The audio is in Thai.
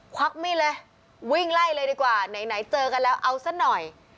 วักมีดเลยวิ่งไล่เลยดีกว่าไหนเจอกันแล้วเอาซะหน่อย